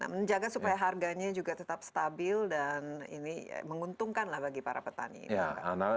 menjaga supaya harganya juga tetap stabil dan menguntungkan bagi para petani